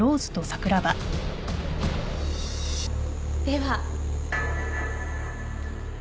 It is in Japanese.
では。